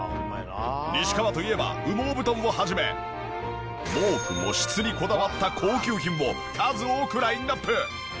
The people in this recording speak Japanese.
西川といえば羽毛布団を始め毛布も質にこだわった高級品を数多くラインアップ。